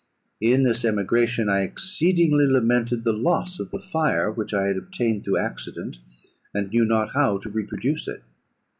In this emigration, I exceedingly lamented the loss of the fire which I had obtained through accident, and knew not how to reproduce it.